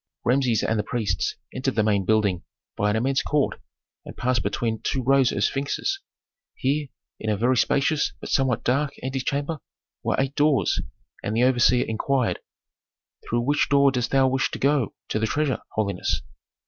Rameses and the priests entered the main building by an immense court and passed between two rows of sphinxes. Here in a very spacious, but somewhat dark, antechamber were eight doors, and the overseer inquired, "Through which door dost thou wish to go to the treasure, holiness?"